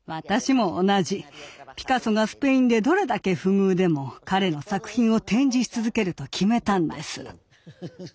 ピカソがスペインでどれだけ不遇でも彼の作品を展示し続けると決めたんです。